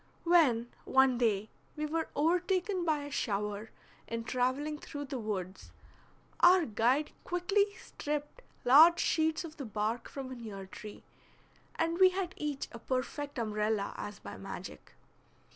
When, one day, we were overtaken by a shower in traveling through the woods, our guide quickly stripped large sheets of the bark from a near tree, and we had each a perfect umbrella as by magic.